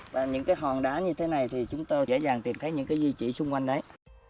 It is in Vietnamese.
và những hòn đá như thế này thì chúng tôi dễ dàng tìm thấy những duy trì xung quanh đấy